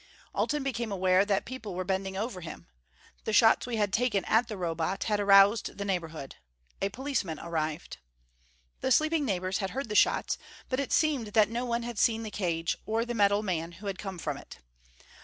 Alten became aware that people were bending over him. The shots we had taken at the Robot had aroused the neighborhood. A policeman arrived. The sleeping neighbors had heard the shots, but it seemed that none had seen the cage, or the metal man who had come from it.